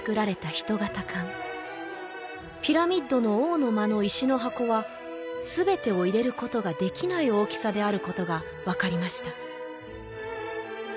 棺ピラミッドの王の間の石の箱は全てを入れることができない大きさであることがわかりました